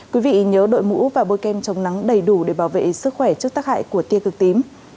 quý vị nhớ đội mũ và bôi kem chống nắng đầy đủ để bảo vệ sức khỏe trước tác hại của tia cực tím